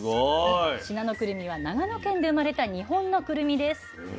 信濃くるみは長野県で生まれた日本のくるみです。